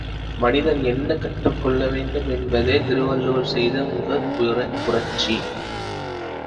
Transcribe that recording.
மனிதன் எண்னக் கற்றுக்கொள்ளவேண்டும் என்பதே திருவள்ளுவர் செய்த முதற் புரட்சி.